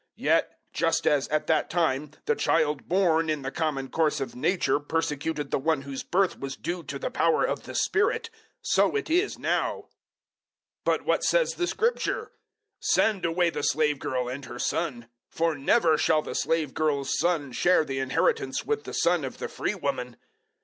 004:029 Yet just as, at that time, the child born in the common course of nature persecuted the one whose birth was due to the power of the Spirit, so it is now. 004:030 But what says the Scripture? "Send away the slave girl and her son, for never shall the slave girl's son share the inheritance with the son of the free woman."